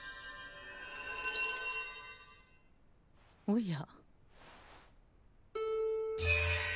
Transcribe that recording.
おや？